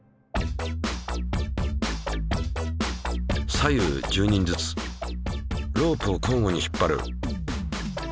左右１０人ずつロープを交互に引っ張る。